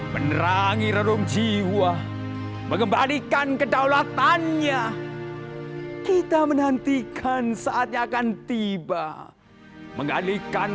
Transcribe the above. menerangi rerum jiwa mengembalikan kedaulatannya kita menantikan saatnya akan tiba mengalihkan